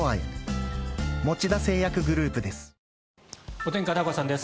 お天気、片岡さんです。